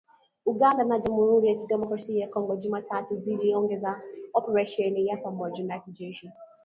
Uganda na Jamhuri ya Kidemokrasi ya Kongo Jumatano ziliongeza operesheni ya pamoja ya kijeshi.